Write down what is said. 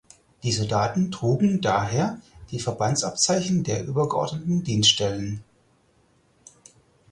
Die Soldaten trugen daher die Verbandsabzeichen der übergeordneten Dienststellen.